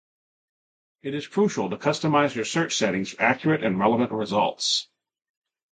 It is crucial to customize your search settings for accurate and relevant results.